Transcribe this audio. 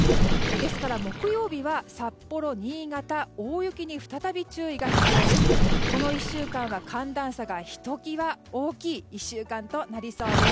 ですから木曜日は札幌、新潟は大雪に再び注意が必要です。